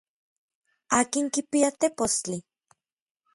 ¿Akin kipia tepostli?